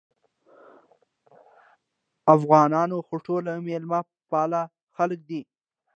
افغانان خو ټول مېلمه پاله خلک دي